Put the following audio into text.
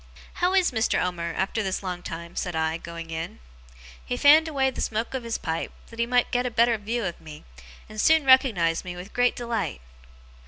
'How is Mr. Omer, after this long time?' said I, going in. He fanned away the smoke of his pipe, that he might get a better view of me, and soon recognized me with great delight.